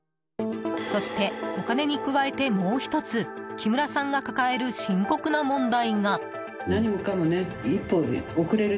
そして、お金に加えてもう１つ木村さんが抱える深刻な問題が。